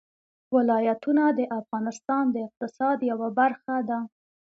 ولایتونه د افغانستان د اقتصاد یوه برخه ده.